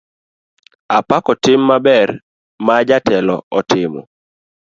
Apako tim maber ma jatelo otimo.